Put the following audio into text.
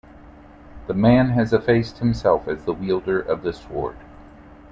The man has effaced himself as the wielder of the sword.